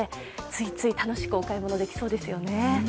ついつい楽しくお買い物できそうですよね。